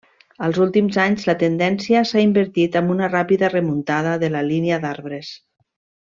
Als últims anys la tendència s'ha invertit, amb una ràpida remuntada de la línia d'arbres.